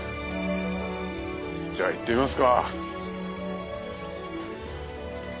じゃあ行ってみますか！